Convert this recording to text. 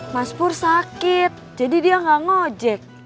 mas pur sakit jadi dia gak ngejek